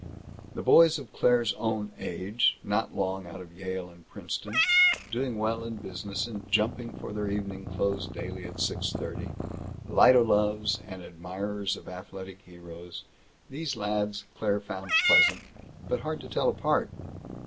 The boys of Claire's own age, not long out of Yale and Princeton, doing well in business and jumping for their evening clothes daily at six thirty, light o' loves and admirers of athletic heroes, these lads Claire found pleasant, but hard to tell apart.